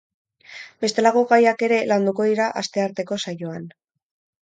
Bestelako gaiak ere landuko dira astearteko saioan.